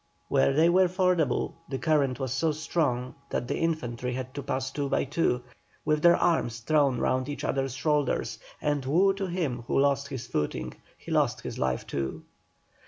Where they were fordable the current was so strong that the infantry had to pass two by two, with their arms thrown round each others shoulders, and woe to him who lost his footing, he lost his life too.